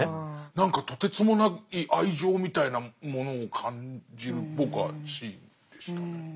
何かとてつもない愛情みたいなものを感じる僕はシーンでしたね。